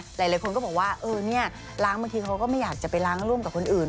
หลายคนก็บอกว่าเออเนี่ยล้างบางทีเขาก็ไม่อยากจะไปล้างร่วมกับคนอื่น